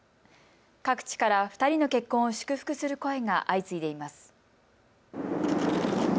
各地から２人の結婚を祝福する声が相次いでいます。